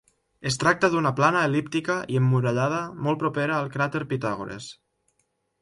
Es tracta d'una plana el·líptica i emmurallada molt propera al cràter Pitàgores.